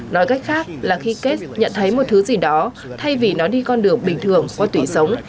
nói cách khác là khi kate nhận thấy một thứ gì đó thay vì nó đi con đường bình thường qua tủy sống